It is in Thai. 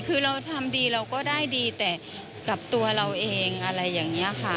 คือเราทำดีเราก็ได้ดีแต่กับตัวเราเองอะไรอย่างนี้ค่ะ